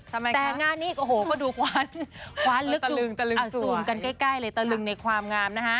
แต่งานนี้โอ้โห้ก็ดูคว้านลึกกันใกล้เลยตะลึงในความงาม